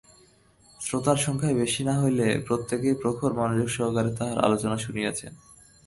শ্রোতার সংখ্যা বেশী না হইলেও প্রত্যেকেই প্রখর মনোযোগ সহকারে তাঁহার আলোচনা শুনিয়াছেন।